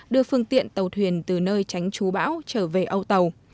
đưa phương tiện tàu thuyền từ nơi tránh trú bão trở về âu tàu